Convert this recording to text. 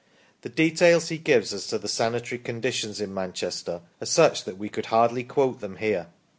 The details he gives as to the sanitary conditions in Manchester are such that we could hardly quote them here.